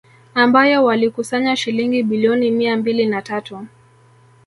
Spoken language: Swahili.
Ambayo walikusanya shilingi bilioni mia mbili na tatu